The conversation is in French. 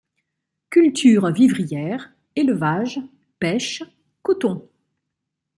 Cultures vivrières, élevage, pêche, coton.